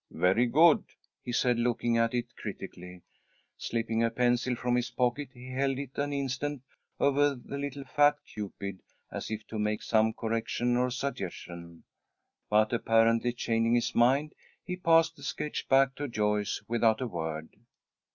"Very good," he said, looking at it critically. Slipping a pencil from his pocket, he held it an instant over the little fat Cupid, as if to make some correction or suggestion, but apparently changing his mind, he passed the sketch back to Joyce without a word.